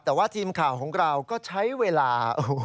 แต่ว่าทีมข่าวของเราก็ใช้เวลา